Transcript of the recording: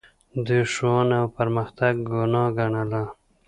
دوی ښوونه او پرمختګ ګناه ګڼله